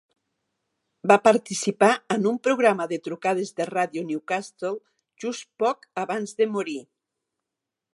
Va participar en un programa de trucades de Radio Newcastle just poc abans de morir.